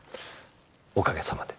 おかげさまで。